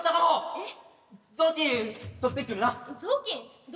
えっ？